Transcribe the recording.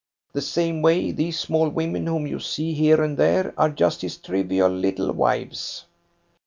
The same way, these small women whom you see here and there are just his trivial little wives."